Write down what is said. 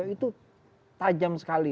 itu tajam sekali